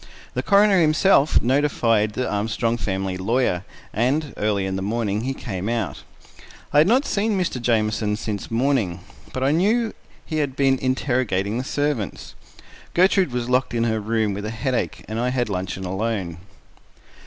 The coroner himself notified the Armstrong family lawyer, and early in the afternoon he came out. I had not seen Mr. Jamieson since morning, but I knew he had been interrogating the servants. Gertrude was locked in her room with a headache, and I had luncheon alone.